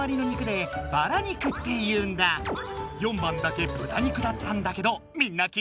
４番だけ豚肉だったんだけどみんな気づいた？